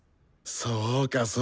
そうかそうか。